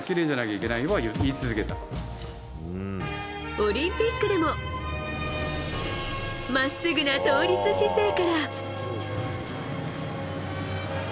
オリンピックでも真っすぐな倒立姿勢から。